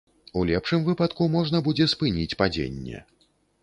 У лепшым выпадку, можна будзе спыніць падзенне.